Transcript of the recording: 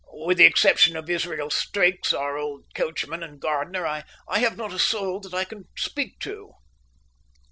With the exception of Israel Stakes, our old coachman and gardener, I have not a soul that I can speak to."